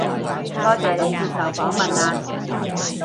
多謝你接受訪問啊